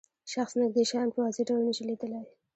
شخص نږدې شیان په واضح ډول نشي لیدلای.